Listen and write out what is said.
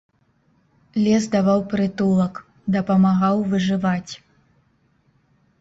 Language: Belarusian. Лес даваў прытулак, дапамагаў выжываць.